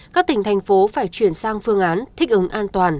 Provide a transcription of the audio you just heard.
các tỉnh thành phố phải chuyển sang phương án thích ứng an toàn